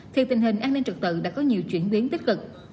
thì tình hình an ninh trực tự đã có nhiều chuyển biến tích cực